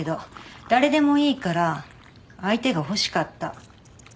誰でもいいから相手が欲しかった。